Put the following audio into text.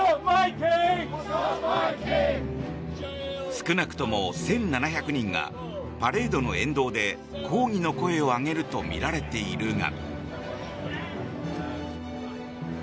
少なくとも１７００人がパレードの沿道で抗議の声を上げるとみられているが。